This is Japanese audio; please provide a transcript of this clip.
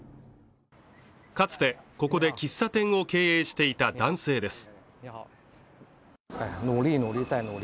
かつてここで喫茶店を経営していた男性です